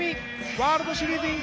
ワールドシリーズｉｎ